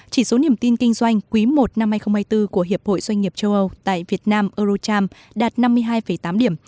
chỉ số niềm tin kinh doanh quý i năm hai nghìn hai mươi bốn của hiệp hội doanh nghiệp châu âu tại việt nam eurocharm đạt năm mươi hai tám điểm